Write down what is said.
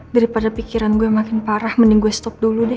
daripada pikiran gue makin parah mending gue stop dulu deh